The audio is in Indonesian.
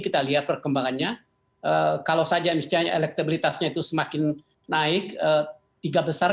kita lihat perkembangannya kalau saja misalnya elektabilitasnya itu semakin naik tiga besar